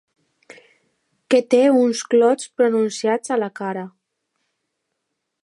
Que té uns clots pronunciats a la cara.